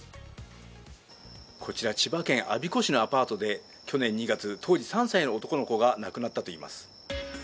こちら、千葉県我孫子市のアパートで去年２月、当時３歳の男の子が亡くなったといいます。